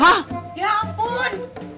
hah ya ampun